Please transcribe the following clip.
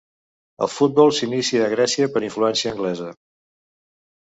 El futbol s'inicia a Grècia per influència anglesa.